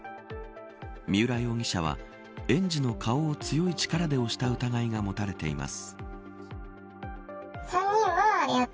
三浦容疑者は園児の顔を強い力で押した疑いが持たれています。